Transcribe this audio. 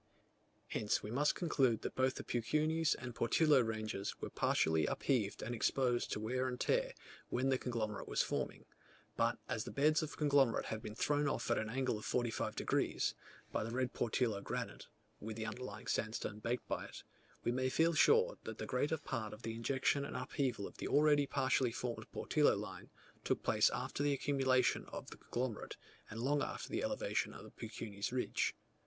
Hence we must conclude, that both the Peuquenes and Portillo ranges were partially upheaved and exposed to wear and tear, when the conglomerate was forming; but as the beds of the conglomerate have been thrown off at an angle of 45 degs. by the red Portillo granite (with the underlying sandstone baked by it), we may feel sure, that the greater part of the injection and upheaval of the already partially formed Portillo line, took place after the accumulation of the conglomerate, and long after the elevation of the Peuquenes ridge.